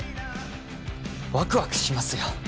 ワクワクしますよ